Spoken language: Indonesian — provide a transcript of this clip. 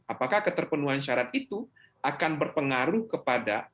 apakah keterpenuhan syarat itu akan berpengaruh kepada